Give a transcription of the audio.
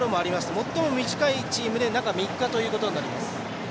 最も短いチームで中３日ということになります。